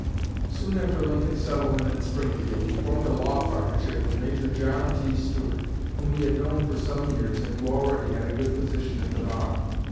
Soon after Lincoln's settlement in Springfield, he formed a law partnership with Major John T. Stuart, whom he had known for some years and who already had a good position at the bar.